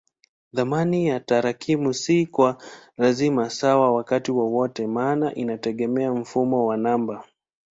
Thamani ya tarakimu si kwa lazima sawa wakati wowote maana inategemea mfumo wa namba.